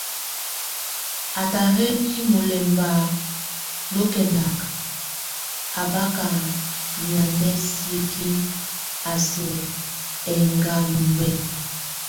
Ata héni mulɛmba nókendak, a báka miamɛ́ siekin a sʼ éŋgambmɛ́.